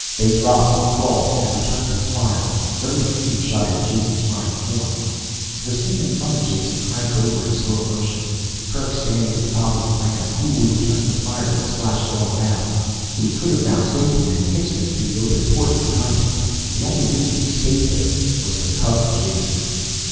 They dropped, crawled, and returned his fire. Very few shot at Jason's running form. The scene in front of Jason cranked over in slow motion. Kerk standing at the top of the ramp, coolly returning the fire that splashed all about. He could have found safety in an instant through the open port behind him. The only reason he stayed there was to cover Jason.